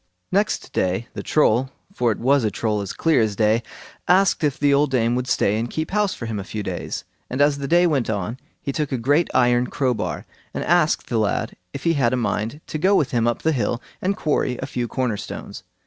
Next day the Troll—for it was a Troll as clear as day—asked if the old dame would stay and keep house for him a few days; and as the day went on he took a great iron crowbar, and asked the lad if he had a mind to go with him up the hill and quarry a few corner stones.